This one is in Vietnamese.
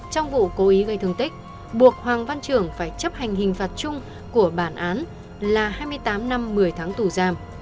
trong vụ cố ý gây thương tích buộc hoàng văn trưởng phải chấp hành hình phạt chung của bản án là hai mươi tám năm một mươi tháng tù giam